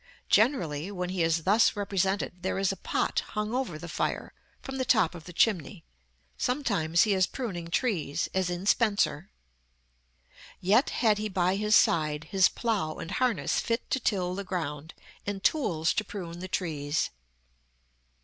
_ Generally, when he is thus represented, there is a pot hung over the fire, from the top of the chimney. Sometimes he is pruning trees, as in Spenser: "Yet had he by his side His plough and harnesse fit to till the ground, And tooles to prune the trees."